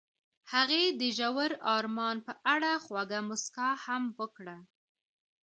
هغې د ژور آرمان په اړه خوږه موسکا هم وکړه.